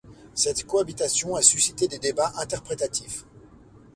Cette cohabitation a suscité des débats interprétatifs.